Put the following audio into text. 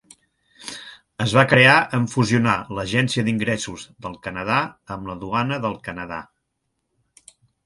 Es va crear en fusionar l'agència d'ingressos del Canadà amb la duana del Canadà.